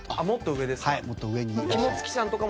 もっと上に。